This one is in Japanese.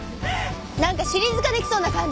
なんかシリーズ化出来そうな感じ。